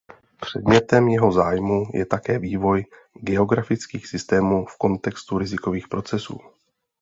Předmětem jeho zájmu je také vývoj geografických systémů v kontextu rizikových procesů.